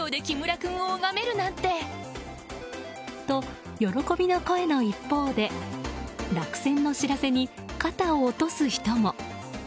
と、喜びの声の一方で落選の知らせに肩を落とす人も。